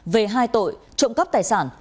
về hai tội trộm cấp tài sản